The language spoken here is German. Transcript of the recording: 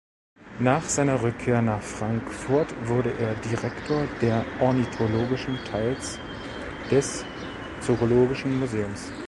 Nach seiner Rückkehr nach Frankfurt wurde er Direktor der ornithologischen Teils des Zoologischen Museums.